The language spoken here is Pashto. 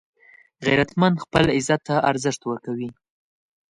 غیرتمند خپل عزت ته ارزښت ورکوي